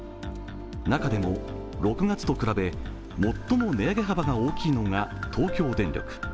中でも６月と比べ、最も値上げ幅が大きいのが東京電力。